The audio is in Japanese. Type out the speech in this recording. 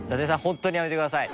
本当にやめてください！